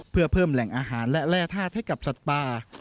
เพื่อเพิ่มแหล่งอาหารและแร่ธาตุให้กับสัตว์ป่า